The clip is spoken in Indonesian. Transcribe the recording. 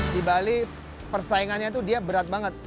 di bali persaingannya itu dia berat banget